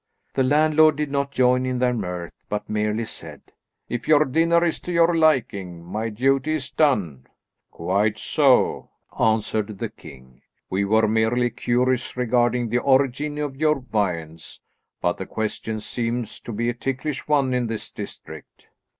The landlord did not join in their mirth, but merely said, "If your dinner is to your liking, my duty is done." "Quite so," answered the king. "We were merely curious regarding the origin of your viands; but the question seems to be a ticklish one in this district."